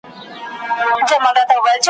نور به یې نه کوې پوښتنه چي د چا کلی دی `